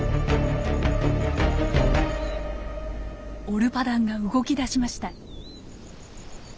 オルパダンが動き出しました。